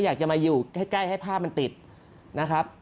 อยากจะมาอยู่ใกล้ให้ภาพมันติดนะครับ